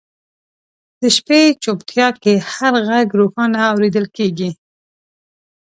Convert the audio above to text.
د شپې چوپتیا کې هر ږغ روښانه اورېدل کېږي.